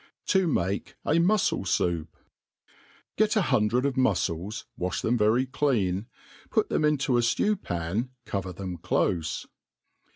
f m To make a M^l Soup. GET a hundred of muiTel?, wa(h them very clean, put them into a ftew pan, cover them clofe.